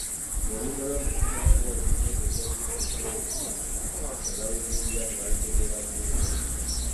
Mu lulimi lw'omuntu mw'asobolera okutegeeza obulungi ebirowoozo bye ne b'abibuulira ne babitegeera bulungi.